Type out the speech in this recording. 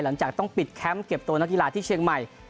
หลังจากต้องปิดแคมป์เก็บตัวนักกีฬาที่เชียงใหม่